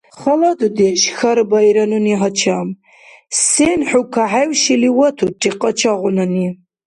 — Хала дудеш, — хьарбаира нуни гьачам, — сен хӀу кахӀевшили ватурри къачагъунани?